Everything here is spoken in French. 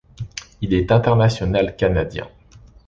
Il est international canadien.